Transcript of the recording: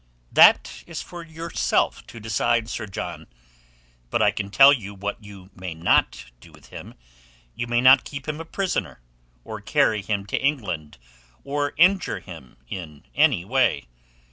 "That is for yourself to decide, Sir John. But I can tell you what you may not do with him. You may not keep him a prisoner, or carry him to England or injure him in any way.